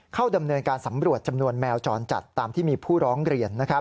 เข้าดำเนินการสำรวจจำนวนแมวจรจัดตามที่มีผู้ร้องเรียน